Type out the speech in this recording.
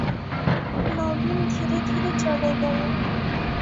নবীন ধীরে ধীরে চলে গেল।